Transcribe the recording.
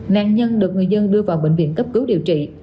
nạn nhân được người dân đưa vào bệnh viện cấp cứu điều trị